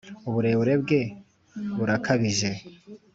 uburebure bwe burakabije